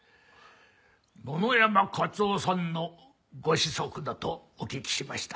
野々山勝夫さんのご子息だとお聞きしました。